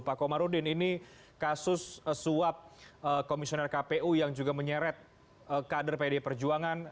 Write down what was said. pak komarudin ini kasus suap komisioner kpu yang juga menyeret kader pdi perjuangan